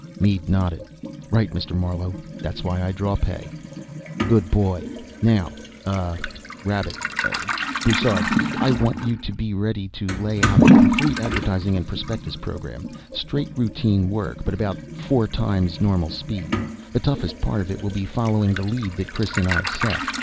Mead nodded. "Right, Mr. Marlowe. That's why I draw pay." "Good boy. Now, uh " Rabbit. "Bussard. I want you to be ready to lay out a complete advertising and prospectus program. Straight routine work, but about four times normal speed. The toughest part of it will be following the lead that Chris and I set.